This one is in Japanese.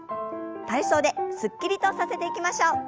体操ですっきりとさせていきましょう。